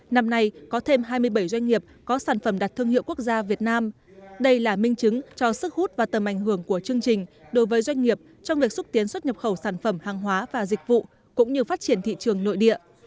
năm nay có thêm hai mươi bảy doanh nghiệp có sản phẩm đặt thương hiệu quốc gia việt nam đây là minh chứng cho sức hút và tầm ảnh hưởng của chương trình đối với doanh nghiệp trong việc xúc tiến xuất nhập khẩu sản phẩm hàng hóa và dịch vụ cũng như phát triển thị trường nội địa